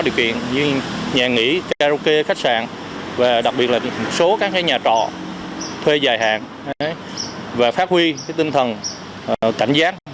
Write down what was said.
các nhà nghỉ karaoke khách sạn và đặc biệt là một số các nhà trọ thuê dài hạn và phát huy tinh thần cảnh giác